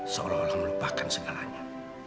seolah olah melupakan segalanya